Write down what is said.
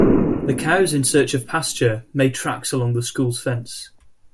The cows in search of pasture, made tracks along the school's fence.